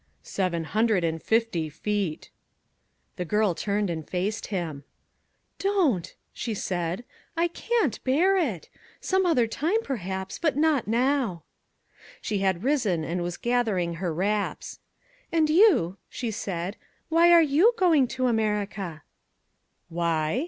"Seven hundred and fifty feet." The girl turned and faced him. "Don't," she said. "I can't bear it. Some other time, perhaps, but not now." She had risen and was gathering up her wraps. "And you," she said, "why are you going to America?" "Why?"